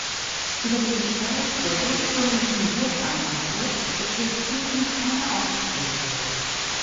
Über die Gestalt der ursprünglichen Burganlage existieren keine Aufschlüsse.